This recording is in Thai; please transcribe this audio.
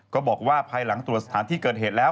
ก็บอกว่าภายหลังตรวจสถานที่เกิดเหตุแล้ว